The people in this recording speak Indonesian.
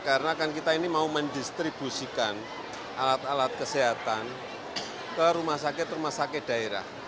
karena kita ini mau mendistribusikan alat alat kesehatan ke rumah sakit rumah sakit daerah